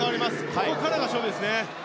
ここからが勝負ですね。